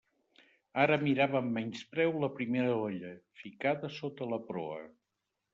Ara mirava amb menyspreu la primera olla, ficada sota la proa.